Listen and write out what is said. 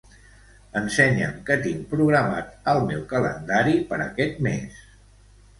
Ensenya'm què tinc programat al meu calendari per aquest mes.